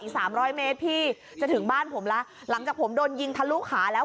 สามร้อยเมตรพี่จะถึงบ้านผมแล้วหลังจากผมโดนยิงทะลุขาแล้ว